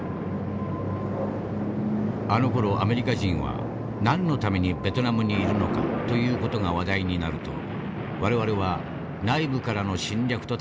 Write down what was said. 「あのころアメリカ人は何のためにベトナムにいるのかという事が話題になると我々は内部からの侵略と戦っているこの国を